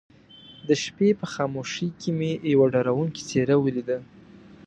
د شپې په خاموشۍ کې مې يوه ډارونکې څېره وليده.